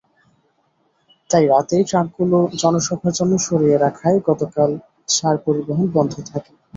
তাই রাতেই ট্রাকগুলো জনসভার জন্য সরিয়ে রাখায় গতকাল সার পরিবহন বন্ধ থাকে।